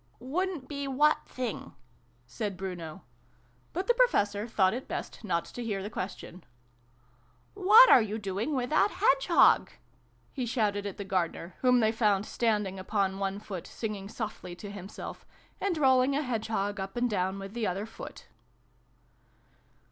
" Wouldn't be what thing ?" said Bruno : but the Professor thought it best not to hear the question. " What are you doing with that hedgehog ?" he shouted at the Gardener, whom they found standing upon one foot, singing softly to himself, and rolling a hedgehog up and down with the other foot.